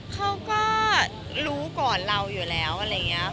เขาก็รู้ก่อนเราอยู่แล้วอะไรอย่างนี้